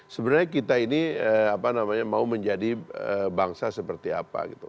sebenarnya kita ini mau menjadi bangsa seperti apa